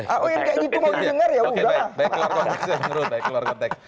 auen kayak gitu mau di denger yaudah